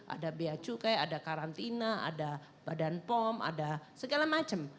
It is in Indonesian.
ada biaya cukai ada karantina ada badan pom ada segala macam